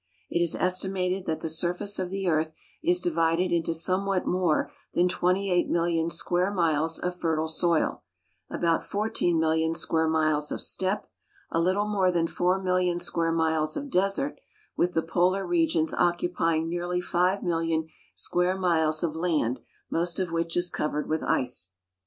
It is estimated that the surface of the earth is divided into somewhat more than 28,000,000 square miles of fertile soil, about 14,000,000 square miles of steppe, a little more than 4,000,000 square miles of desert, with the polar regions occupying nearly 5,000,000 square miles of land, most of which is covered with ice.